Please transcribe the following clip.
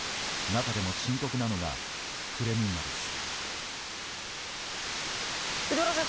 中でも深刻なのがクレミンナです。